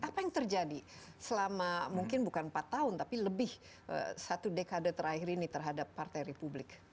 apa yang terjadi selama mungkin bukan empat tahun tapi lebih satu dekade terakhir ini terhadap partai republik